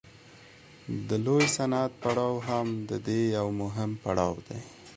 د لوی صنعت پړاو هم د دې یو مهم پړاو دی